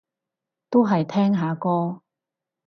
都係聽下歌